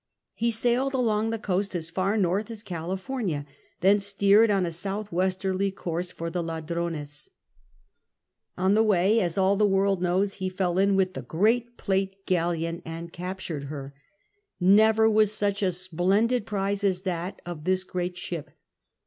He sailed along the coast as far north as California, thence steered on a south westerly course for the Ladrones. On the IV CAVENDISH 49 way, as all tho world knows, ho fell in with the great plate galleon and captured her. Never was such a splendid prize as that of this great ship.